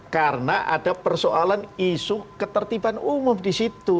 karena ada persoalan isu ketertiban umum di situ